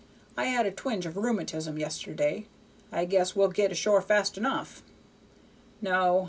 I had a twinge of rheumatism yesterday. I guess we'll get ashore fast enough. No.